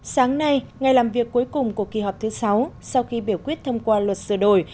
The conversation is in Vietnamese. sáng nay ngày làm việc cuối cùng của kỳ họp thứ sáu sau khi biểu quyết thông qua luật sửa đổi